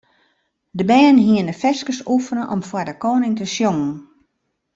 De bern hiene ferskes oefene om foar de koaning te sjongen.